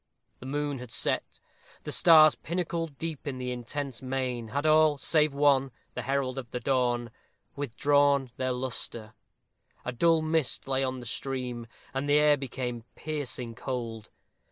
The moon had set. The stars, Pinnacled deep in the intense main, had all save one, the herald of the dawn withdrawn their luster. A dull mist lay on the stream, and the air became piercing cold.